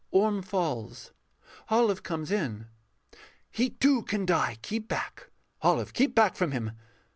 ORM falls. OLIVE comes in._] He too can die. Keep back! Olive, keep back from him!